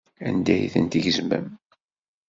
Anda ay tent-tgezmem?